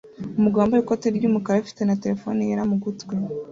Umugabo wambaye ikoti ry'umukara afite na terefone yera mu gutwi